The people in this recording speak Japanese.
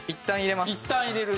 いったん入れる。